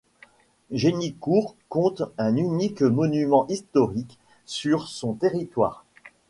Génicourt compte un unique monument historique sur son territoire.